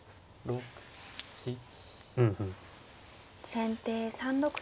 先手３六金。